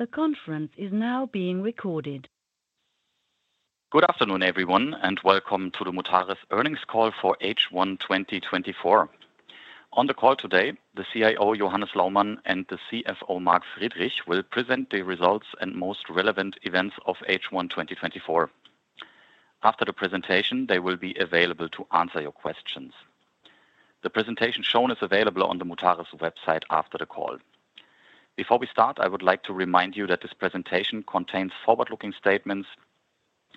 Good afternoon, everyone, and welcome to the Mutares earnings call for H1 2024. On the call today, the CIO, Johannes Laumann, and the CFO, Mark Friedrich, will present the results and most relevant events of H1 2024. After the presentation, they will be available to answer your questions. The presentation shown is available on the Mutares website after the call. Before we start, I would like to remind you that this presentation contains forward-looking statements,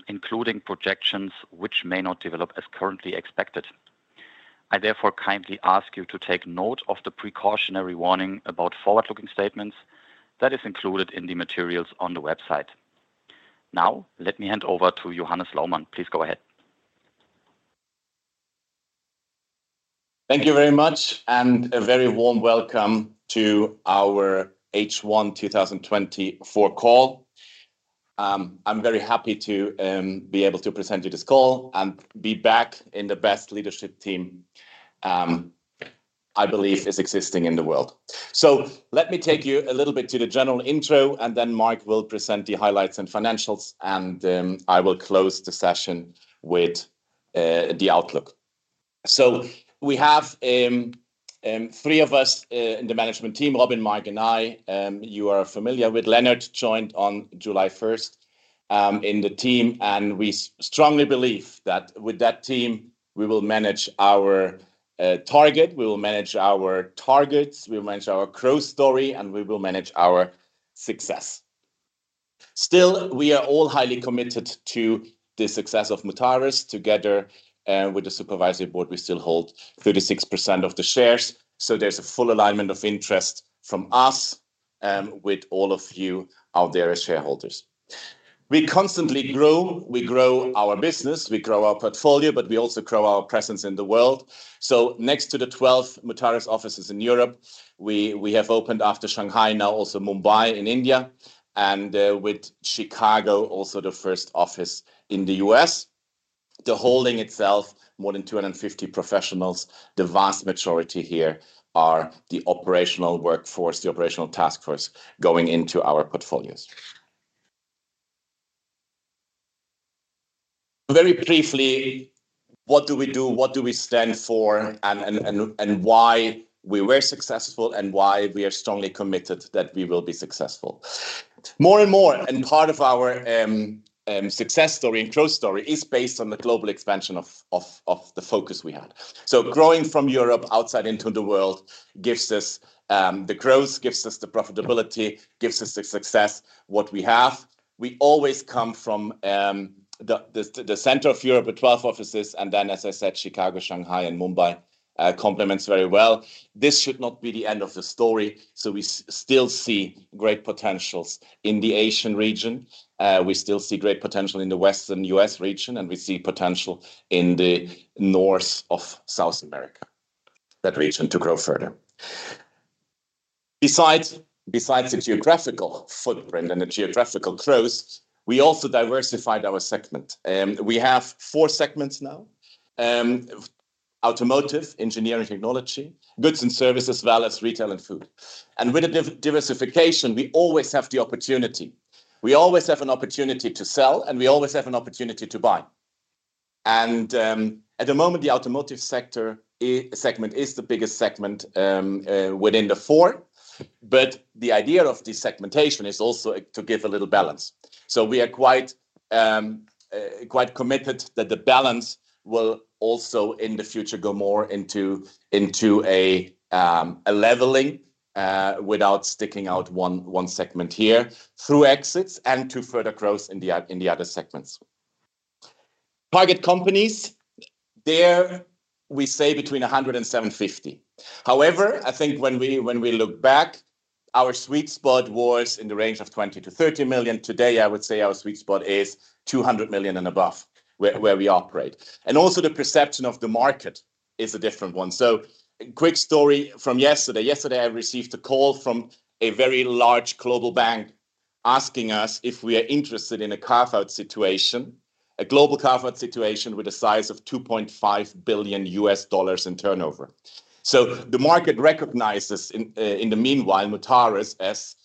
including projections which may not develop as currently expected. I therefore kindly ask you to take note of the precautionary warning about forward-looking statements that is included in the materials on the website. Now, let me hand over to Johannes Laumann. Please go ahead. Thank you very much, and a very warm welcome to our H1 2024 call. I'm very happy to be able to present you this call and be back in the best leadership team, I believe is existing in the world. So let me take you a little bit to the general intro, and then Mark will present the highlights and financials, and I will close the session with the outlook. So we have three of us in the management team, Robin, Mark, and I. You are familiar with Lennart, joined on July 1st in the team, and we strongly believe that with that team, we will manage our target. We will manage our targets, we will manage our growth story, and we will manage our success. Still, we are all highly committed to the success of Mutares. Together with the supervisory board, we still hold 36% of the shares, so there's a full alignment of interest from us with all of you out there as shareholders. We constantly grow. We grow our business, we grow our portfolio, but we also grow our presence in the world. So next to the 12 Mutares offices in Europe, we have opened after Shanghai, now also Mumbai in India, and with Chicago, also the first office in the U.S. The holding itself, more than 250 professionals. The vast majority here are the operational workforce, the operational task force going into our portfolios. Very briefly, what do we do? What do we stand for, and why we were successful, and why we are strongly committed that we will be successful? More and more, and part of our success story and growth story is based on the global expansion of the focus we had. So growing from Europe outside into the world gives us the growth, gives us the profitability, gives us the success what we have. We always come from the center of Europe, with 12 offices, and then, as I said, Chicago, Shanghai, and Mumbai complements very well. This should not be the end of the story, so we still see great potentials in the Asian region. We still see great potential in the Western U.S. region, and we see potential in the north of South America, that region to grow further. Besides the geographical footprint and the geographical growth, we also diversified our segment. We have four segments now: automotive, engineering technology, goods and services, as well as retail and food. And with the diversification, we always have the opportunity. We always have an opportunity to sell, and we always have an opportunity to buy. And, at the moment, the automotive sector segment is the biggest segment within the four, but the idea of this segmentation is also to give a little balance. So we are quite committed that the balance will also, in the future, go more into a leveling without sticking out one segment here, through exits and to further growth in the other segments. Target companies, there we say between 100 and 750. However, I think when we look back, our sweet spot was in the range of 20 million-30 million. Today, I would say our sweet spot is 200 million and above, where we operate. And also, the perception of the market is a different one. So quick story from yesterday. Yesterday, I received a call from a very large global bank asking us if we are interested in a carve-out situation, a global carve-out situation with a size of $2.5 billion in turnover. So the market recognizes in the meanwhile, Mutares, as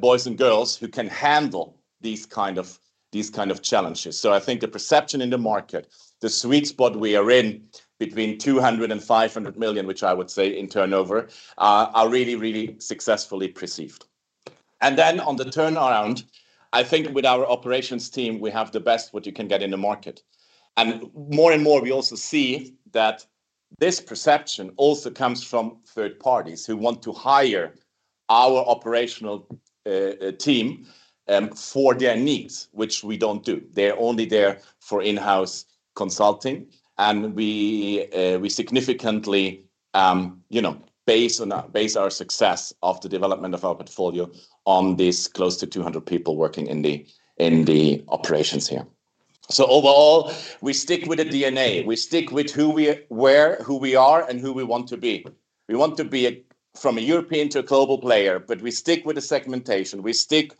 boys and girls who can handle these kind of challenges. So I think the perception in the market, the sweet spot we are in, between 200 million and 500 million, which I would say in turnover, are really, really successfully perceived. And then on the turnaround, I think with our operations team, we have the best what you can get in the market. And more and more, we also see that this perception also comes from third parties who want to hire our operational team for their needs, which we don't do. They're only there for in-house consulting, and we significantly, you know, base our success of the development of our portfolio on this close to 200 people working in the operations here. So overall, we stick with the DNA. We stick with who we are, where, who we are and who we want to be. We want to be a, from a European to a global player, but we stick with the segmentation. We stick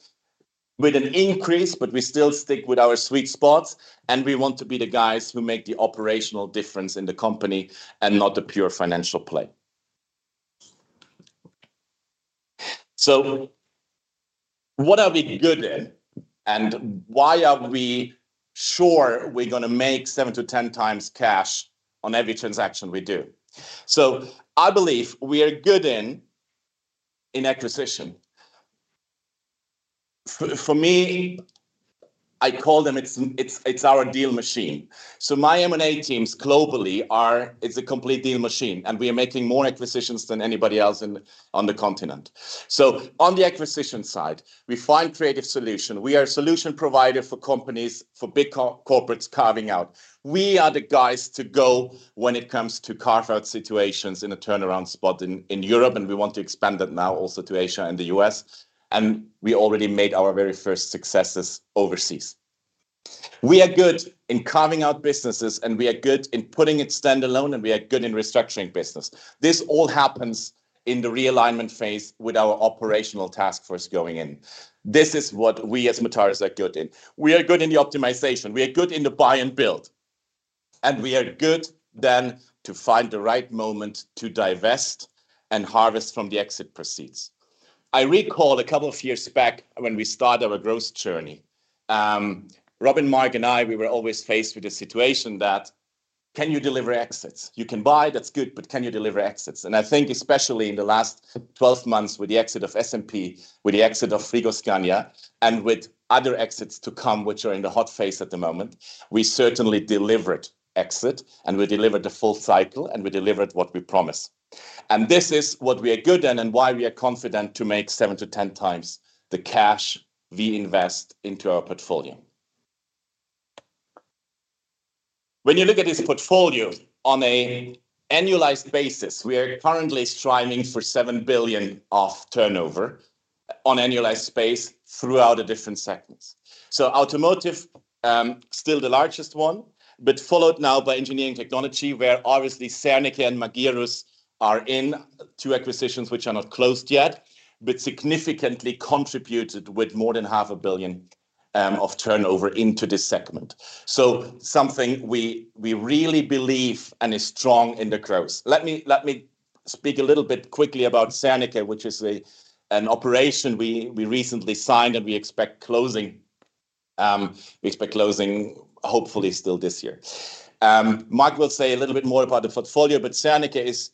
with an increase, but we still stick with our sweet spots, and we want to be the guys who make the operational difference in the company and not the pure financial play. So what are we good in, and why are we sure we're gonna make 7-10x cash on every transaction we do? So I believe we are good in acquisition. For me, I call it it's our deal machine. So my M&A teams globally are... It's a complete deal machine, and we are making more acquisitions than anybody else in on the continent. So on the acquisition side, we find creative solution. We are a solution provider for companies, for big corporates carving out. We are the guys to go when it comes to carve-out situations in a turnaround spot in Europe, and we want to expand that now also to Asia and the U.S., and we already made our very first successes overseas. We are good in carving out businesses, and we are good in putting it standalone, and we are good in restructuring business. This all happens in the realignment phase with our operational task force going in. This is what we as Mutares are good in. We are good in the optimization. We are good in the buy and build, and we are good then to find the right moment to divest and harvest from the exit proceeds I recall a couple of years back when we started our growth journey, Robin, Mike, and I, we were always faced with the situation that, "Can you deliver exits? You can buy, that's good, but can you deliver exits?" And I think especially in the last 12 months with the exit of SMP, with the exit of Frigoscandia, and with other exits to come which are in the hot phase at the moment, we certainly delivered exit, and we delivered the full cycle, and we delivered what we promised. And this is what we are good in and why we are confident to make 7-10x the cash we invest into our portfolio. When you look at this portfolio on a annualized basis, we are currently striving for 7 billion of turnover on annualized space throughout the different segments. So automotive, still the largest one, but followed now by engineering technology, where obviously Serneke and Magirus are in two acquisitions which are not closed yet, but significantly contributed with more than 500 million of turnover into this segment. So something we really believe and is strong in the growth. Let me speak a little bit quickly about Serneke, which is an operation we recently signed, and we expect closing, hopefully still this year. Mike will say a little bit more about the portfolio, but Serneke is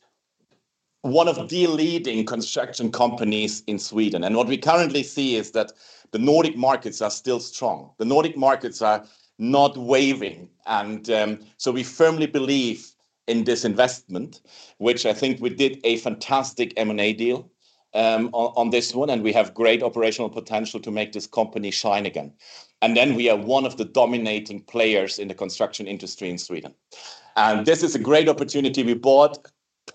one of the leading construction companies in Sweden. And what we currently see is that the Nordic markets are still strong. The Nordic markets are not wavering, and, so we firmly believe in this investment, which I think we did a fantastic M&A deal, on, on this one, and we have great operational potential to make this company shine again. And then we are one of the dominating players in the construction industry in Sweden, and this is a great opportunity. We bought,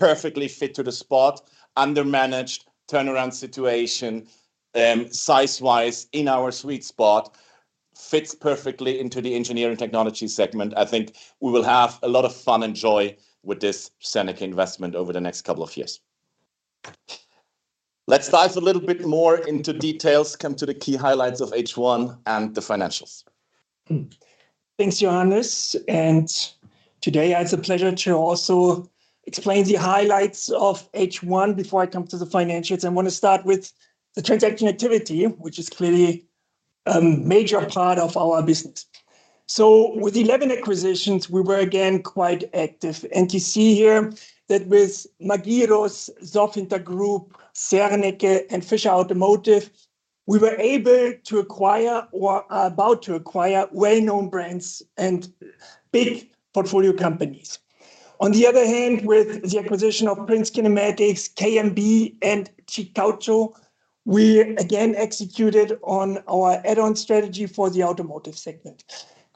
perfectly fit to the spot, under-managed, turnaround situation, size-wise, in our sweet spot, fits perfectly into the engineering technology segment. I think we will have a lot of fun and joy with this Serneke investment over the next couple of years. Let's dive a little bit more into details, come to the key highlights of H1 and the financials. Thanks, Johannes, and today it's a pleasure to also explain the highlights of H1 before I come to the financials. I want to start with the transaction activity, which is clearly a major part of our business. So with 11 acquisitions, we were again quite active, and you see here that with Magirus, Sofinter Group, Serneke, and Fischer Automotive, we were able to acquire or are about to acquire well-known brands and big portfolio companies. On the other hand, with the acquisition of Prinz Kinematics, KMB, and Cikautxo, we again executed on our add-on strategy for the automotive segment.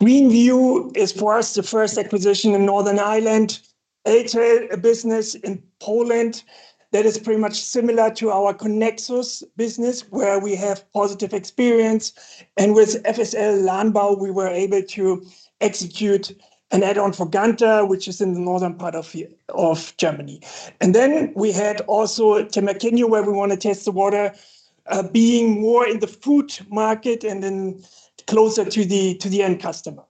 Greenview is, for us, the first acquisition in Northern Ireland, a trade business in Poland that is pretty much similar to our Conexus business, where we have positive experience. And with FSL Ladenbau, we were able to execute an add-on for Ganter, which is in the northern part of Germany. And then we had also Temakinho, where we want to test the water, being more in the food market and then closer to the end customer.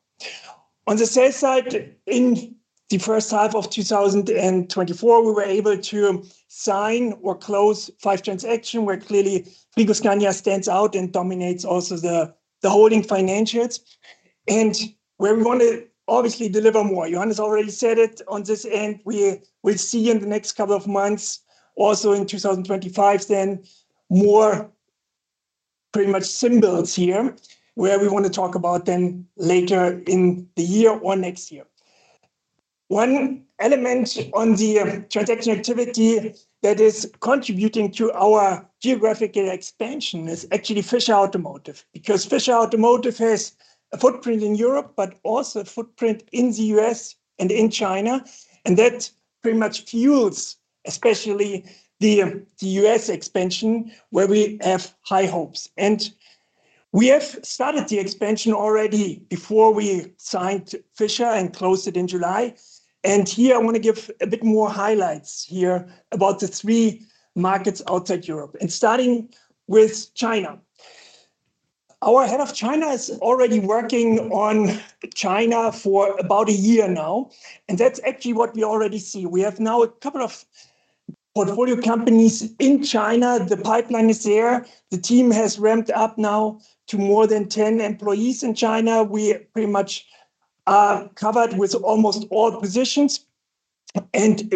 On the sales side, in the first half of 2024, we were able to sign or close five transaction, where clearly Frigoscandia stands out and dominates also the holding financials, and where we want to obviously deliver more. Johannes already said it on this end. We'll see in the next couple of months, also in 2025, then more pretty much symbols here, where we want to talk about them later in the year or next year. One element on the transaction activity that is contributing to our geographical expansion is actually Fischer Automotive, because Fischer Automotive has a footprint in Europe, but also a footprint in the US and in China, and that pretty much fuels, especially the U.S. expansion, where we have high hopes. We have started the expansion already before we signed Fischer and closed it in July. Here I want to give a bit more highlights here about the three markets outside Europe, and starting with China. Our head of China is already working on China for about a year now, and that's actually what we already see. We have now a couple of portfolio companies in China. The pipeline is there. The team has ramped up now to more than 10 employees in China. We pretty much are covered with almost all positions, and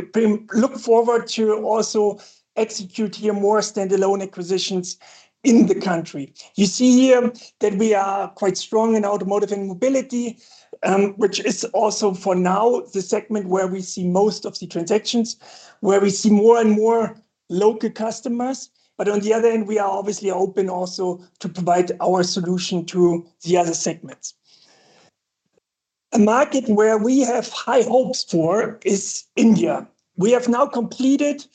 look forward to also execute here more standalone acquisitions in the country. You see here that we are quite strong in automotive and mobility, which is also, for now, the segment where we see most of the transactions, where we see more and more local customers. But on the other hand, we are obviously open also to provide our solution to the other segments. A market where we have high hopes for is India. We have now completed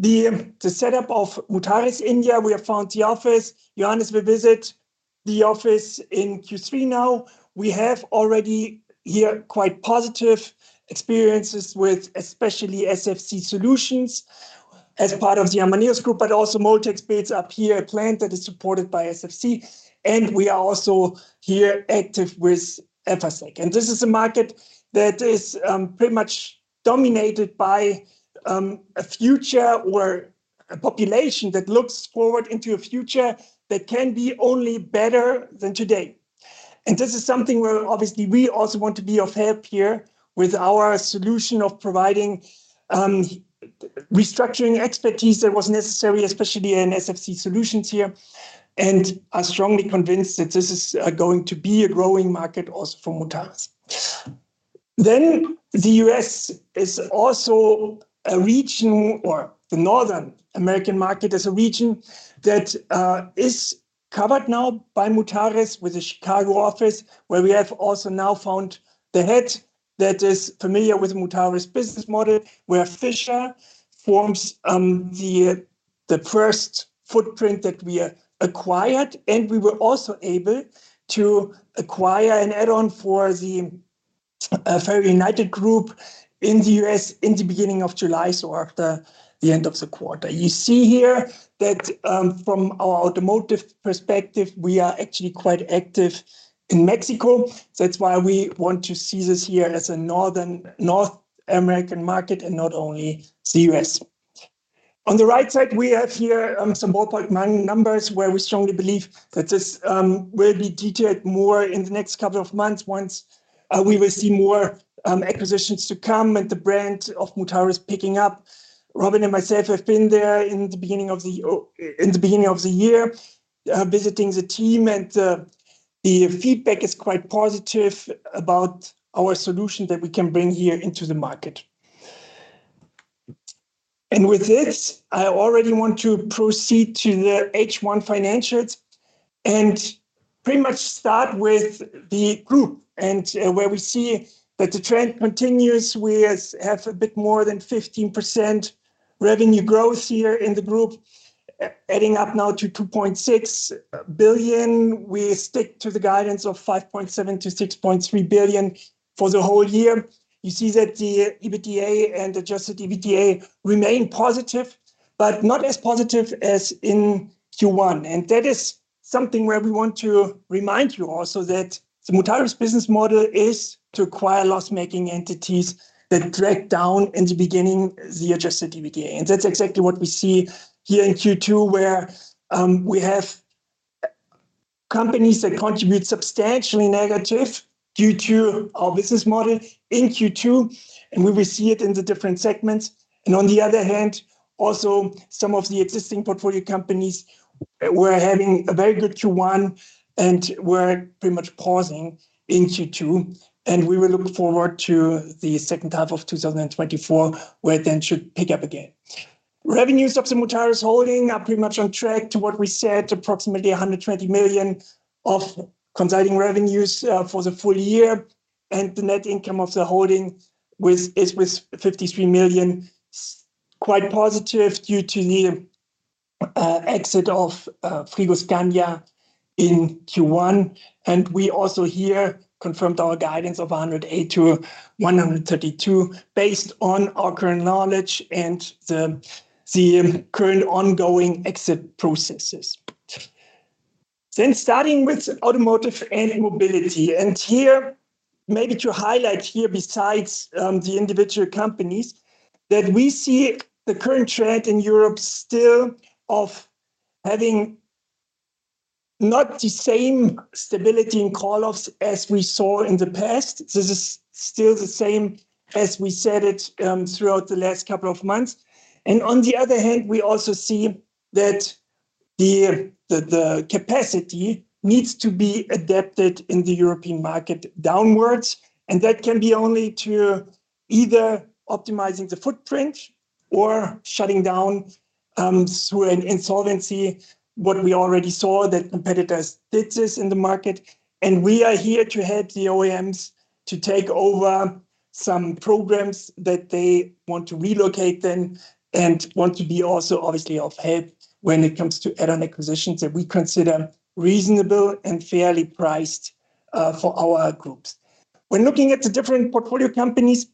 the setup of Mutares India. We have found the office. Johannes will visit the office in Q3 now. We have already, here, quite positive experiences with especially SFC Solutions as part of the Amaneos Group, but also MoldTecs builds up here a plant that is supported by SFC, and we are also here active with Efacec. This is a market that is pretty much dominated by a future where a population that looks forward into a future that can be only better than today. This is something where obviously we also want to be of help here with our solution of providing restructuring expertise that was necessary, especially in SFC Solutions here, and are strongly convinced that this is going to be a growing market also for Mutares. The U.S. is also a region, or the North American market is a region that is covered now by Mutares with a Chicago office, where we have also now found the head that is familiar with Mutares' business model, where Fisher forms the first footprint that we acquired. We were also able to acquire an add-on for the FerrAl United Group in the U.S. in the beginning of July, so after the end of the quarter. You see here that from our automotive perspective, we are actually quite active in Mexico. So that's why we want to see this here as a North American market and not only the U.S. On the right side, we have here some ballpark numbers, where we strongly believe that this will be detailed more in the next couple of months, once we will see more acquisitions to come and the brand of Mutares picking up. Robin and myself have been there in the beginning of the year, visiting the team, and the feedback is quite positive about our solution that we can bring here into the market. And with this, I already want to proceed to the H1 financials and pretty much start with the group, and where we see that the trend continues. We have a bit more than 15% revenue growth here in the group, adding up now to 2.6 billion. We stick to the guidance of 5.7 billion-6.3 billion for the whole year. You see that the EBITDA and Adjusted EBITDA remain positive, but not as positive as in Q1, and that is something where we want to remind you also, that the Mutares business model is to acquire loss-making entities that drag down in the beginning, the Adjusted EBITDA. That's exactly what we see here in Q2, where we have companies that contribute substantially negative due to our business model in Q2, and we will see it in the different segments. On the other hand, also, some of the existing portfolio companies were having a very good Q1, and were pretty much pausing in Q2, and we will look forward to the second half of 2024, where then should pick up again. Revenues of the Mutares holding are pretty much on track to what we said, approximately 120 million of consulting revenues, for the full year. The net income of the holding is with 53 million, quite positive due to the exit of Frigoscandia in Q1. We also here confirmed our guidance of 108 million-132 million, based on our current knowledge and the current ongoing exit processes. Starting with automotive and mobility, and here, maybe to highlight here, besides the individual companies, that we see the current trend in Europe still of having not the same stability in call-offs as we saw in the past. This is still the same as we said it, throughout the last couple of months. On the other hand, we also see that the capacity needs to be adapted in the European market downwards, and that can be only to either optimizing the footprint or shutting down, through an insolvency. What we already saw, that competitors did this in the market, and we are here to help the OEMs to take over some programs that they want to relocate then, and want to be also obviously of help when it comes to add-on acquisitions that we consider reasonable and fairly priced, for our groups. When looking at the different portfolio companies,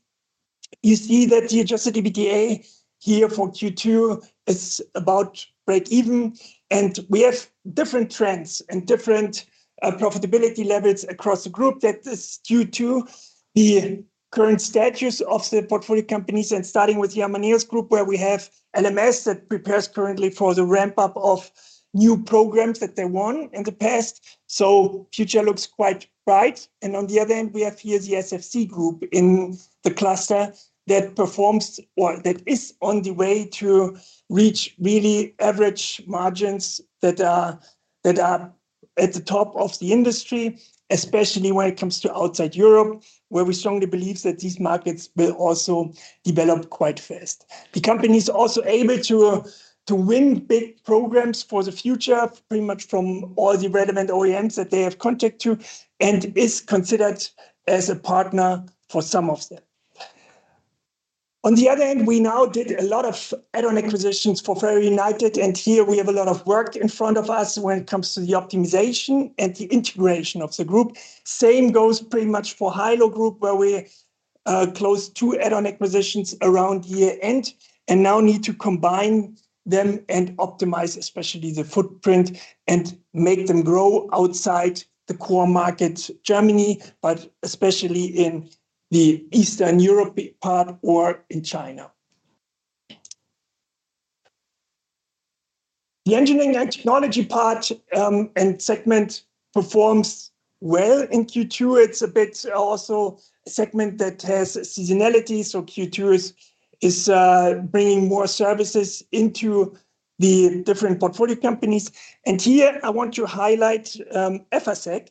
you see that the Adjusted EBITDA here for Q2 is about break even, and we have different trends and different profitability levels across the group. That is due to the current status of the portfolio companies, and starting with the Amaneos Group, where we have LMS that prepares currently for the ramp-up of new programs that they won in the past, so future looks quite bright. On the other end, we have here the SFC group in the cluster that performs, or that is on the way to reach really average margins that are at the top of the industry, especially when it comes to outside Europe, where we strongly believe that these markets will also develop quite fast. The company is also able to win big programs for the future, pretty much from all the relevant OEMs that they have contact to, and is considered as a partner for some of them. On the other hand, we now did a lot of add-on acquisitions for FerrAl United, and here we have a lot of work in front of us when it comes to the optimization and the integration of the group. Same goes pretty much for Hailo Group, where we closed 2 add-on acquisitions around year-end, and now need to combine them and optimize, especially the footprint, and make them grow outside the core market, Germany, but especially in the Eastern Europe part or in China. The engineering and technology part and segment performs well in Q2. It's a bit also a segment that has seasonality, so Q2 is bringing more services into the different portfolio companies. Here I want to highlight Efacec,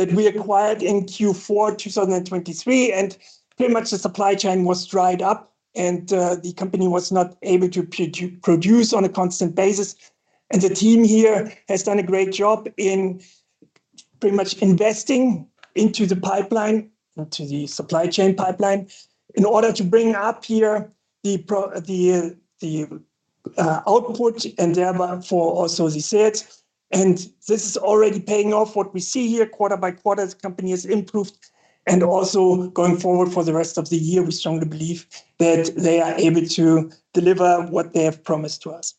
that we acquired in Q4 2023, and pretty much the supply chain was dried up, and the company was not able to produce on a constant basis. The team here has done a great job in pretty much investing into the pipeline, into the supply chain pipeline, in order to bring up here the output and therefore also the sales. This is already paying off. What we see here, quarter by quarter, the company has improved, and also going forward for the rest of the year, we strongly believe that they are able to deliver what they have promised to us.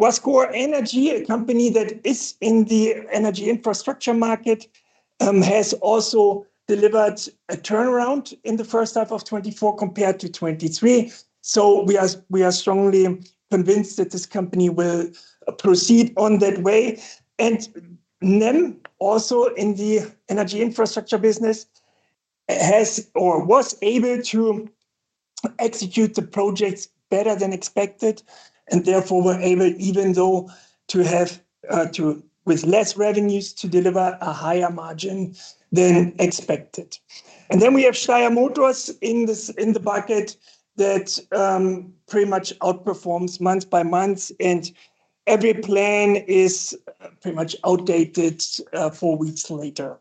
Guascor Energy, a company that is in the energy infrastructure market, has also delivered a turnaround in the first half of 2024 compared to 2023. So we are, we are strongly convinced that this company will proceed on that way. And then, also in the energy infrastructure business, has or was able to execute the projects better than expected, and therefore were able, even though to have with less revenues, to deliver a higher margin than expected. And then we have Steyr Motors in this, in the bucket, that pretty much outperforms month by month, and every plan is pretty much outdated 4 weeks later.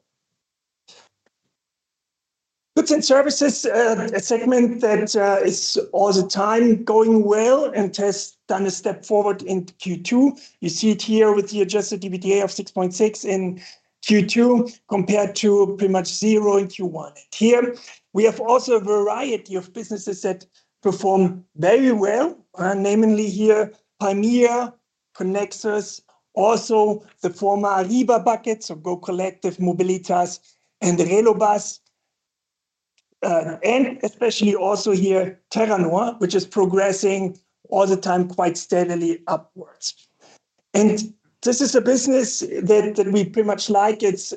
Goods and services, a segment that is all the time going well and has done a step forward in Q2. You see it here with the Adjusted EBITDA of 6.6 in Q2, compared to pretty much 0 in Q1. And here we have also a variety of businesses that perform very well, namely here, Palmia, Connexess, also the former Arriva bucket, so Go Collective, Mobilitas, and the Relbus. And especially also here, Terranor, which is progressing all the time, quite steadily upwards. And this is a business that we pretty much like. It's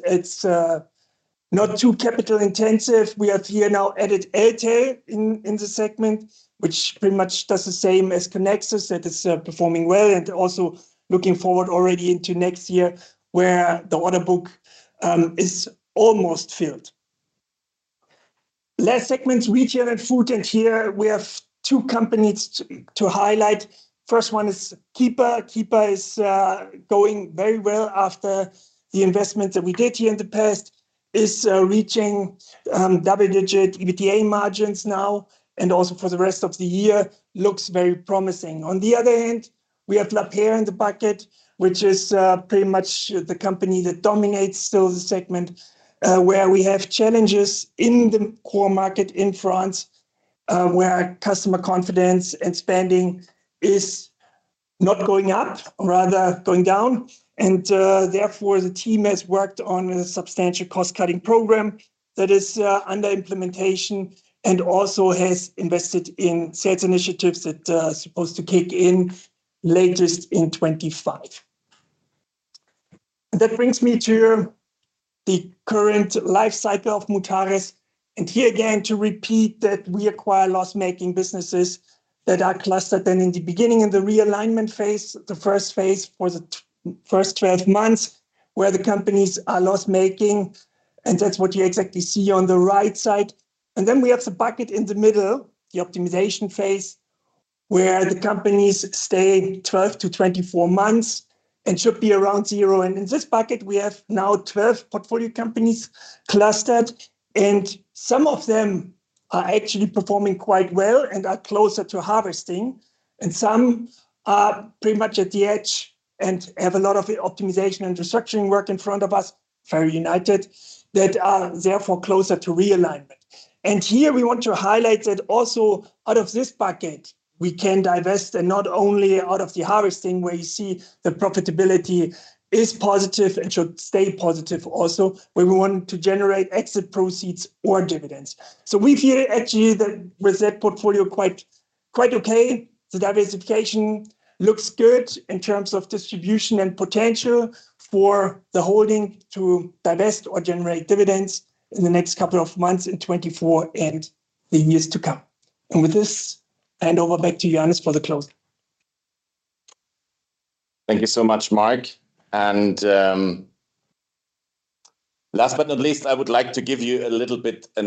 not too capital-intensive. We have here now added Atut in the segment, which pretty much does the same as Connexess, that is, performing well and also looking forward already into next year, where the order book is almost filled. Last segments, retail and food, and here we have two companies to highlight. First one is Keeeper. Keeeper is going very well after the investment that we did here in the past. Is reaching double-digit EBITDA margins now, and also for the rest of the year, looks very promising. On the other hand, we have Lapeyre in the bucket, which is pretty much the company that dominates still the segment, where we have challenges in the core market in France, where customer confidence and spending is not going up, rather going down. And therefore, the team has worked on a substantial cost-cutting program that is under implementation, and also has invested in sales initiatives that are supposed to kick in latest in 2025. That brings me to the current life cycle of Mutares. And here again, to repeat, that we acquire loss-making businesses that are clustered. Then in the beginning, in the realignment phase, the first phase for the first 12 months, where the companies are loss making, and that's what you exactly see on the right side. Then we have the bucket in the middle, the optimization phase, where the companies stay 12-24 months and should be around zero. In this bucket, we have now 12 portfolio companies clustered, and some of them are actually performing quite well and are closer to harvesting... and some are pretty much at the edge and have a lot of optimization and restructuring work in front of us, very united, that are therefore closer to realignment. Here we want to highlight that also out of this bucket we can divest and not only out of the harvesting, where you see the profitability is positive and should stay positive also, where we want to generate exit proceeds or dividends. So we feel actually that with that portfolio quite, quite okay. The diversification looks good in terms of distribution and potential for the holding to divest or generate dividends in the next couple of months in 2024 and in years to come. With this, hand over back to you, Johannes, for the close. Thank you so much, Mark. Last but not least, I would like to give you a little bit of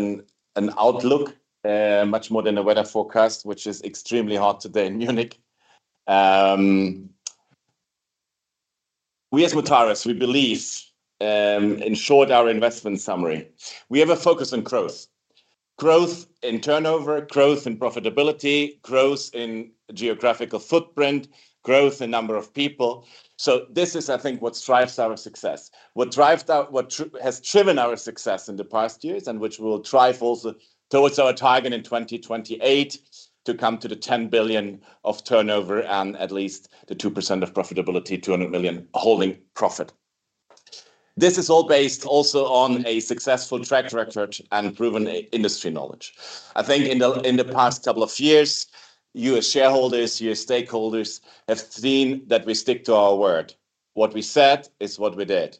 an outlook, much more than a weather forecast, which is extremely hot today in Munich. We as Mutares, we believe, in short, our investment summary, we have a focus on growth. Growth in turnover, growth in profitability, growth in geographical footprint, growth in number of people. So this is, I think, what drives our success. What has driven our success in the past years and which will drive also towards our target in 2028 to come to 10 billion of turnover and at least the 2% of profitability, 200 million holding profit. This is all based also on a successful track record and proven industry knowledge. I think in the past couple of years, you as shareholders, you as stakeholders, have seen that we stick to our word. What we said is what we did.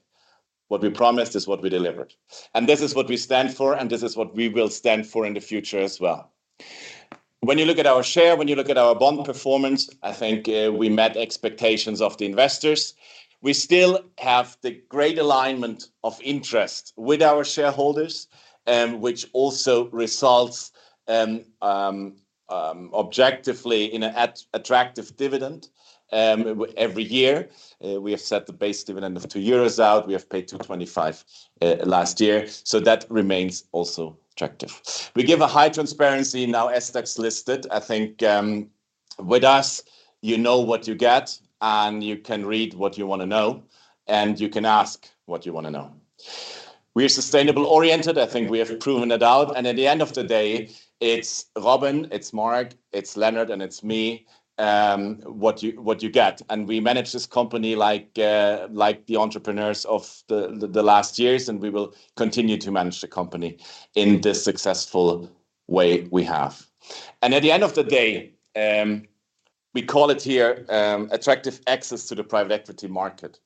What we promised is what we delivered, and this is what we stand for, and this is what we will stand for in the future as well. When you look at our share, when you look at our bond performance, I think we met expectations of the investors. We still have the great alignment of interest with our shareholders, which also results objectively in an attractive dividend every year. We have set the base dividend of 2 euros out. We have paid 2.25 last year, so that remains also attractive. We give a high transparency now as stocks listed. I think, with us, you know what you get, and you can read what you wanna know, and you can ask what you wanna know. We are sustainable oriented. I think we have proven it out, and at the end of the day, it's Robin, it's Mark, it's Lennart, and it's me, what you, what you get. And we manage this company like, like the entrepreneurs of the last years, and we will continue to manage the company in the successful way we have. And at the end of the day, we call it here, attractive access to the private equity market.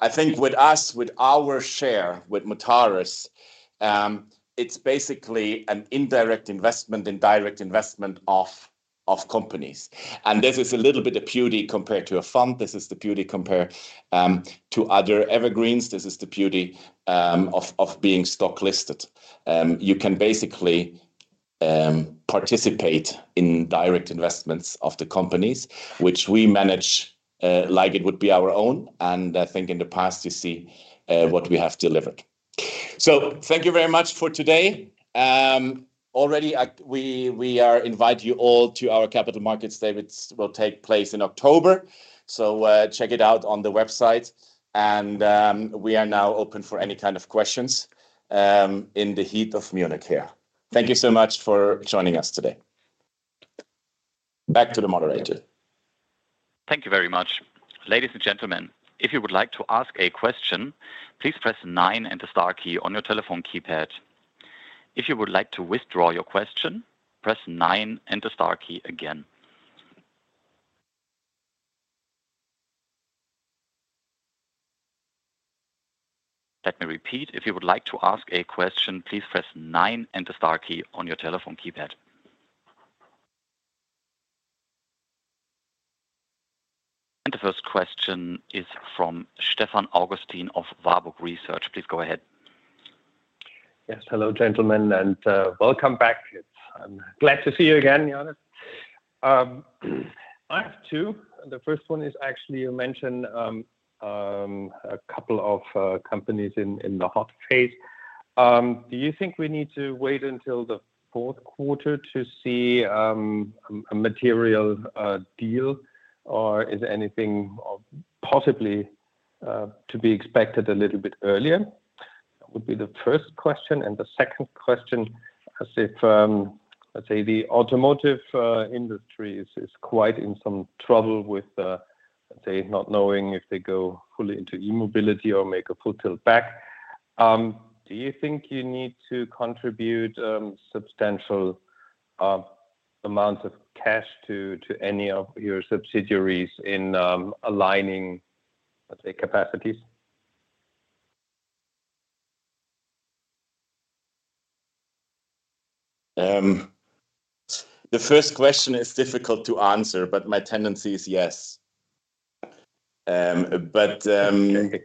I think with us, with our share, with Mutares, it's basically an indirect investment, indirect investment of companies. And this is a little bit the beauty compared to a fund. This is the beauty compared to other evergreens. This is the beauty of being stock listed. You can basically participate in direct investments of the companies which we manage, like it would be our own, and I think in the past, you see, what we have delivered. So thank you very much for today. Already, we invite you all to our Capital Markets Day. It will take place in October, so check it out on the website. We are now open for any kind of questions in the heat of Munich here. Thank you so much for joining us today. Back to the moderator. Thank you very much. Ladies and gentlemen, if you would like to ask a question, please press nine and the star key on your telephone keypad. If you would like to withdraw your question, press nine and the star key again. Let me repeat. If you would like to ask a question, please press nine and the star key on your telephone keypad. And the first question is from Stefan Augustin of Warburg Research. Please go ahead. Yes. Hello, gentlemen, and welcome back. I'm glad to see you again, Johannes. I have two. The first one is actually, you mentioned a couple of companies in the hot trade. Do you think we need to wait until the fourth quarter to see a material deal, or is anything possibly to be expected a little bit earlier? That would be the first question. And the second question, as if let's say the automotive industry is quite in some trouble with let's say not knowing if they go fully into e-mobility or make a full tilt back. Do you think you need to contribute substantial amounts of cash to any of your subsidiaries in aligning let's say capacities? The first question is difficult to answer, but my tendency is yes.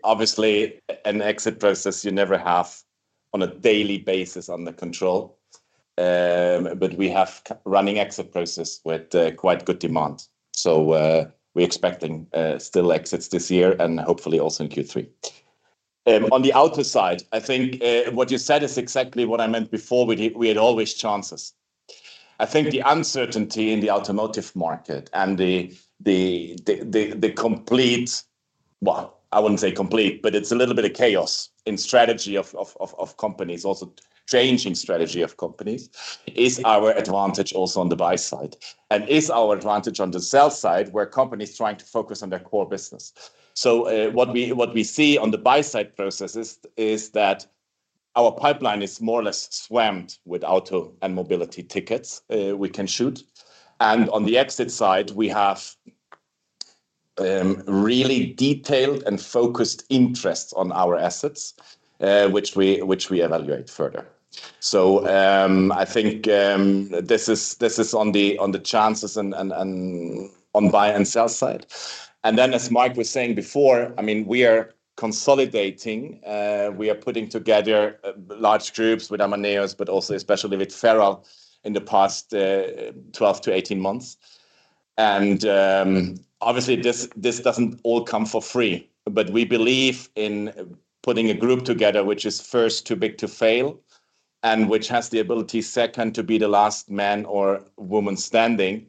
Obviously, an exit process you never have on a daily basis under control. We have running exit process with quite good demand. So, we're expecting still exits this year and hopefully also in Q3. On the other side, I think what you said is exactly what I meant before, we had always chances. I think the uncertainty in the automotive market and the complete. Well, I wouldn't say complete, but it's a little bit of chaos in strategy of companies, also changing strategy of companies, is our advantage also on the buy side, and is our advantage on the sell side, where companies trying to focus on their core business. So, what we, what we see on the buy side processes is that our pipeline is more or less swamped with auto and mobility tickets, we can shoot. And on the exit side, we have really detailed and focused interests on our assets, which we, which we evaluate further. So, I think this is, this is on the chances and, and, and on buy and sell side. And then, as Mike was saying before, I mean, we are consolidating, we are putting together large groups with Amaneos, but also especially with FerrAl in the past 12-18 months. Obviously, this doesn't all come for free, but we believe in putting a group together, which is first, too big to fail, and which has the ability, second, to be the last man or woman standing,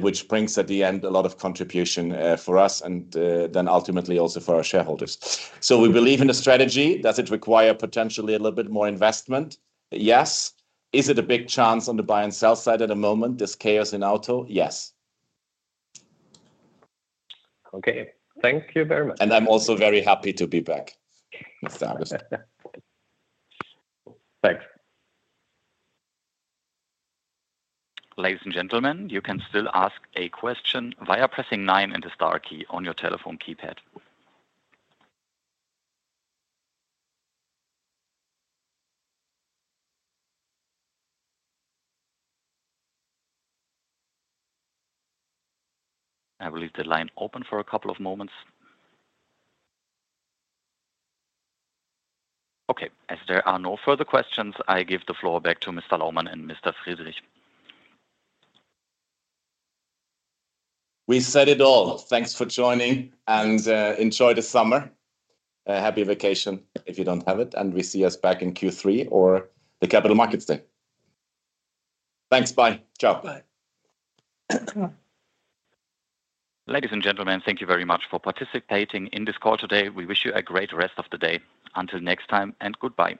which brings at the end a lot of contribution for us and then ultimately also for our shareholders. So we believe in a strategy. Does it require potentially a little bit more investment? Yes. Is it a big chance on the buy and sell side at the moment, this chaos in auto? Yes. Okay. Thank you very much. I'm also very happy to be back, Mr. August. Thanks. Ladies and gentlemen, you can still ask a question via pressing nine and the star key on your telephone keypad. I will leave the line open for a couple of moments. Okay, as there are no further questions, I give the floor back to Mr. Lohmann and Mr. Friedrich. We said it all. Thanks for joining, and, enjoy the summer. Happy vacation if you don't have it, and we see us back in Q3 or the Capital Markets Day. Thanks. Bye. Ciao. Bye. Ladies and gentlemen, thank you very much for participating in this call today. We wish you a great rest of the day. Until next time, and goodbye.